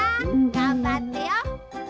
がんばってよ。